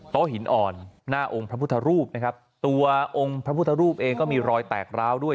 หินอ่อนหน้าองค์พระพุทธรูปนะครับตัวองค์พระพุทธรูปเองก็มีรอยแตกร้าวด้วย